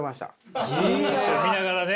見ながらね。